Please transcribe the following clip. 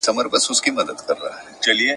لاس دي راکه چي مشکل دي کړم آسانه ,